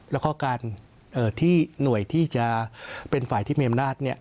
แล้วก็การที่หน่วยที่จะเป็นฝ่ายที่มีอำนาจ